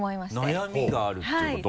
悩みがあるっていうこと？